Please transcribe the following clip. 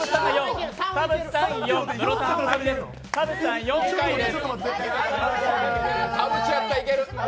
田渕さん４回です。